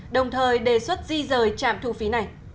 đồng thời đề xuất di rời trạm thu phí này